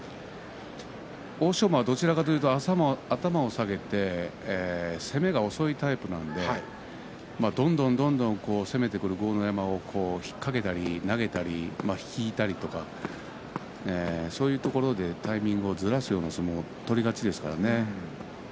欧勝馬は、どちらかというと頭を下げて攻めが遅いタイプなのでどんどんどんどん攻めてくる豪ノ山を引っ掛けたり投げたり引いたりとかそういうところでタイミングをずらすような相撲を取りがちですからね。